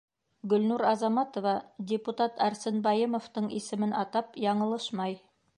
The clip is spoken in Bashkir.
Гөлнур Азаматова депутат Арсен Байымовтың исемен атап яңылышмай.